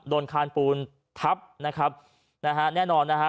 โดนคานปูนทับแน่นอนนะคะ